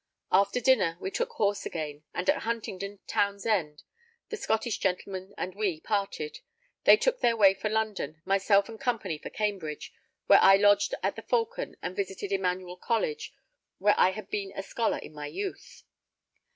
After dinner we took horse again, and at Huntingdon town's end the Scottish gentlemen and we parted; they took their way for London, myself and company for Cambridge, where I lodged at the Falcon and visited Emmanuel College, where I had been a scholar in my youth.